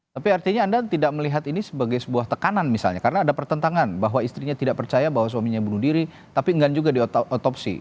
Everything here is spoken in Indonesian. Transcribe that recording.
tapi artinya anda tidak melihat ini sebagai sebuah tekanan misalnya karena ada pertentangan bahwa istrinya tidak percaya bahwa suaminya bunuh diri tapi enggak juga diotopsi